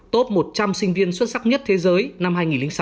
top một trăm linh sinh viên xuất sắc nhất thế giới năm hai nghìn sáu